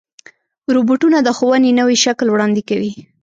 روبوټونه د ښوونې نوی شکل وړاندې کوي.